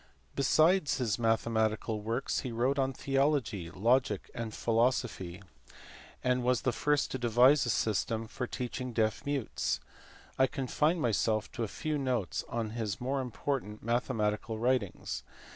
Besides his mathematical works he wrote on theology, logic, and philosophy ; and was the first to devise a system for teaching deaf mutes. I confine myself to a few notes on his more important mathematical writings.